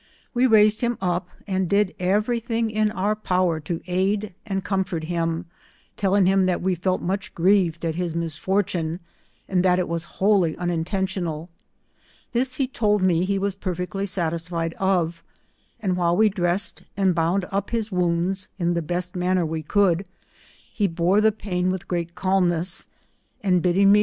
We raised him up, and did everything in oar power to aid and comfort him, telling him that we felt much grieved at his misfortune, and that it was wholly unintentional; this he told me he was per fectly satisfied of, and while we dressed and bound up his wounds, in the best manner we could, he bore the pain with great calmness, and bidding me S • 198